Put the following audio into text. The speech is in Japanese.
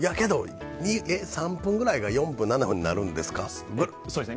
３分くらいが４分、７分になるんですか？